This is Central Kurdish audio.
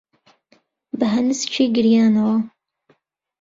بە هەنسکی گریانەوە